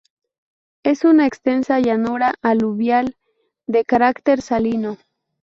Es una extensa llanura aluvial de carácter salino.